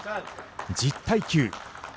１０対９。